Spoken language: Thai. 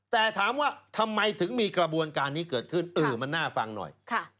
แต่ถามว่าทำไมถึงมีกระบวนการนี้เกิดขึ้นเออมันน่าฟังหน่อย